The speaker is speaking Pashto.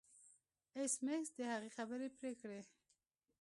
ایس میکس د هغې خبرې پرې کړې